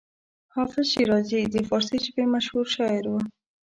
حافظ شیرازي د فارسي ژبې مشهور شاعر و.